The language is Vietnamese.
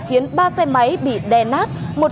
khiến ba xe máy bị đè nát